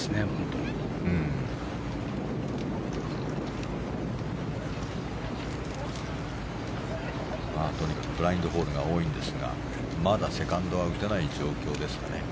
とにかくブラインドホールが多いんですがまだセカンドは打てない状況ですかね。